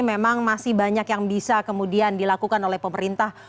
memang masih banyak yang bisa kemudian dilakukan oleh pemerintah